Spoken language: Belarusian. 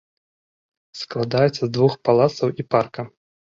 Складаецца з двух палацаў і парка.